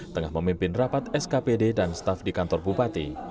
tengah memimpin rapat skpd dan staf di kantor bupati